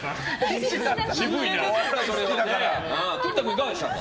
栗田君、いかがでしたか？